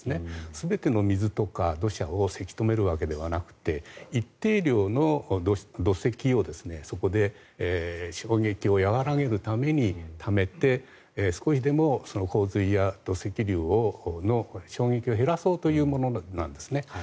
全ての水とか土砂をせき止めるわけではなくて一定量の土石をそこで衝撃を和らげるためにためて、少しでも洪水や土石流の衝撃を減らそうというものなんですね。